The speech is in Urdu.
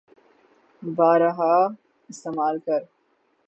بارہا استعمال کر